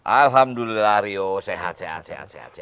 alhamdulillah rio sehat sehat